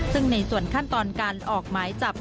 ซึ่งในส่วนขั้นตอนการออกหมายจับ